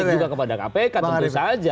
ini kritik juga kepada kpk tentu saja